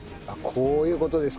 こういう事ですか。